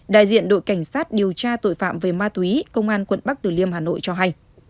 đại diện đội cảnh sát điều tra tội phạm về ma túy công an quận bắc tử liêm hà nội cho hay